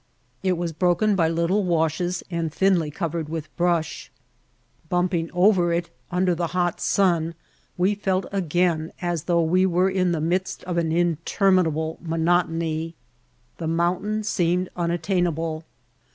It was broken by little washes and thinly covered with brush. Bumping over it under the v*^ ft»l The Burning Sands hot sun we felt again as though we were in the midst of an interminable monotony. The moun tain seemed unattainable.